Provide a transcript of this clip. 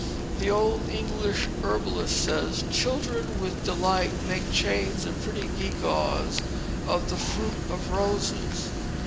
The old English herbalist says "children with delight make chains and pretty gewgaws of the fruit of roses."